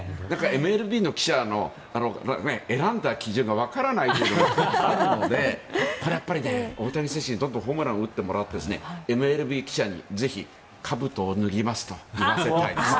ＭＬＢの記者の選んだ基準がわからないっていうのがあるのでこれはやっぱり大谷選手にどんどんホームランを打ってもらってＭＬＢ記者に、ぜひかぶとを脱ぎますと言わせたいです。